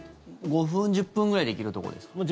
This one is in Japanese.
５分、１０分くらいで行けるところですか？